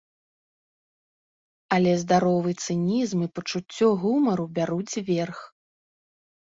Але здаровы цынізм і пачуцце гумару бяруць верх.